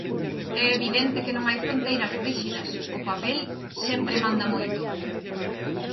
É evidente que non hai fronteiras ríxidas... O papel sempre manda moito.